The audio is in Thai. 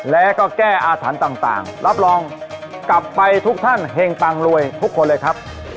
แล้วก็แก้อาถรรพ์ต่างรับรองกลับไปทุกท่านเห็งปังรวยทุกคนเลยครับ